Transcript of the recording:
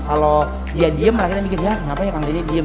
kalau dia diem makanya kita mikir ya kenapa ya kang denny diem